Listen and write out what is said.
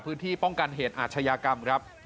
พื้นที่ป้องกันเหตุอาชญากรรมครับ